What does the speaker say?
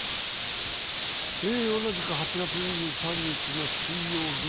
同じく８月２３日の水曜日。